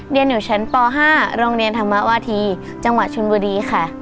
เรียนอยู่ชั้นป๕โรงเรียนธรรมวาธีจังหวัดชนบุรีค่ะ